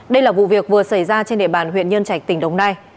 đây là vụ việc vừa xảy ra trên địa bàn huyện nhân trạch tỉnh đồng nai